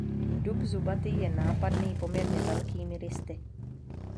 Dub zubatý je nápadný poměrně velkými listy.